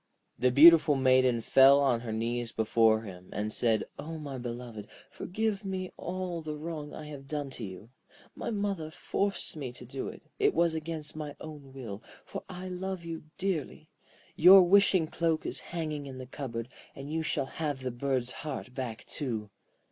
The beautiful Maiden fell on her knees before him, and said: 'O my beloved, forgive me all the wrong I have done you. My mother forced me to do it. It was against my own will, for I love you dearly. Your wishing cloak is hanging in the cupboard, and you shall have the bird's heart back too.'